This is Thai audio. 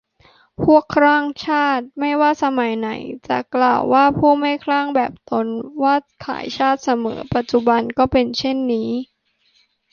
พวกคลั่งชาติไม่ว่าสมัยไหนจะกล่าวหาผู้ไม่คลั่งแบบตนว่าขายชาติเสมอ ปัจจุบันก็เป็นเช่นนี้